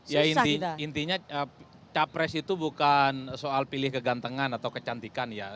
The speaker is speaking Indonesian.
ya intinya capres itu bukan soal pilih kegantengan atau kecantikan ya